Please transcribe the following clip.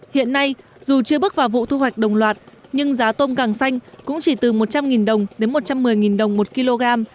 hiện nay dù chưa bước vào vụ thu hoạch đồng loạt nhưng giá tôm càng xanh cũng chỉ từ một trăm linh đồng đến một trăm một mươi đồng một kg